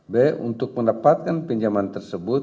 b untuk mendapatkan pinjaman tersebut